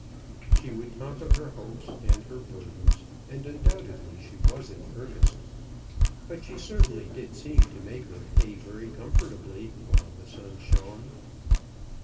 She would talk of her hopes and her burdens, and undoubtedly she was in earnest. But she certainly did seem to make her hay very comfortably while the sun shone.